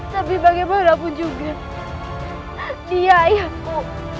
tapi bagaimanapun juga dia ayahku